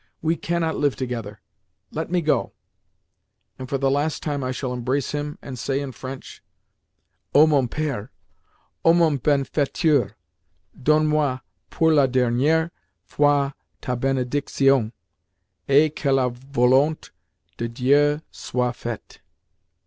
We cannot live together. Let me go'—and for the last time I shall embrace him, and say in French, '_O mon père, O mon bienfaiteur, donne moi, pour la dernière fois, ta bénédiction, et que la volonté de Dieu soit faite!